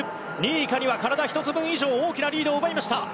２位以下には体１つ分以上大きなリードを奪いました。